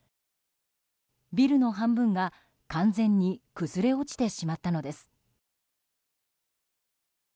ビルの半分が完全に崩れ落ちてしまったのです。